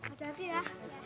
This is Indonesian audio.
aduh nanti ya